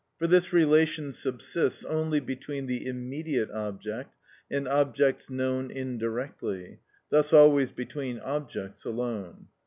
For this relation subsists only between the immediate object and objects known indirectly, thus always between objects alone.